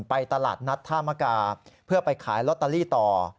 ตลาดนัดท่ามกาเพื่อไปขายลอตเตอรี่ต่อ